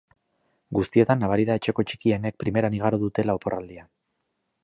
Guztietan nabari da etxeko txikienek primeran igaro dutela oporraldia.